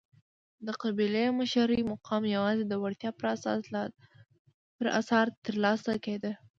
د قبیلې مشرۍ مقام یوازې د وړتیا پر اساس ترلاسه کېده.